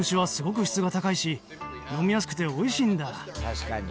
確かに。